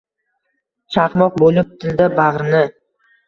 Chaqmoq boʼlib tildi bagʼrini.